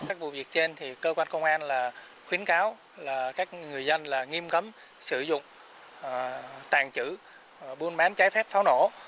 các vụ việc trên thì cơ quan công an là khuyến cáo là các người dân là nghiêm cấm sử dụng tàn trữ buôn bán trái phép pháo nổ